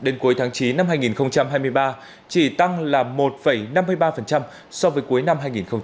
đến cuối tháng chín năm hai nghìn hai mươi ba chỉ tăng là một năm mươi ba so với cuối năm hai nghìn hai mươi hai